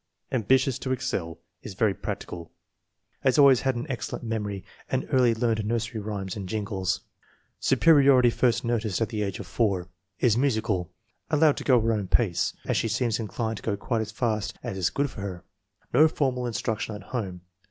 Ambitious to excel. Is very practical Has always had an excellent memory and early learned nursery rhymes and jingles. Superiority first noticed at the age of 4. Is musical. Allowed to go her own pace, " as she seems inclined to go quite as fast as is good for her." No formal instruction at home.